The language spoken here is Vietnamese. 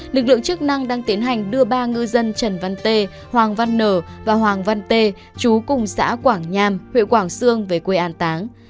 lực lượng chức năng đang tiến hành đưa ba ngư dân trần văn tê hoàng văn nở và hoàng văn tê chú cùng xã quảng nham huyện quảng sương về quê an táng